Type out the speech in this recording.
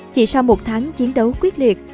chỉ sau một tháng chiến đấu quyết liệt